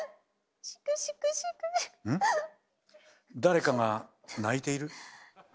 誰かが泣いている？